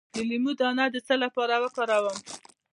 د لیمو دانه د څه لپاره وکاروم؟